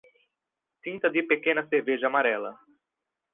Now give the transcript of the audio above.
Tinta de pequena cerveja amarela.